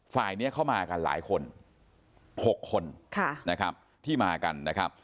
ฝ่ายนี้เข้ามากัน๖คน